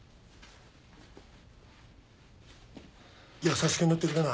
優しく塗ってくれな。